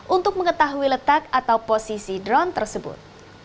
untuk mengetahui letak atau posisi drone tersebut